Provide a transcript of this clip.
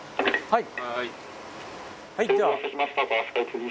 はい。